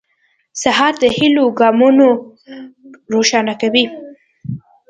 سهار د هيلو ګامونه روښانه کوي.